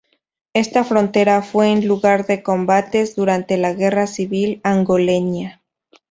Esta frontera fue el lugar de combates durante la guerra civil angoleña.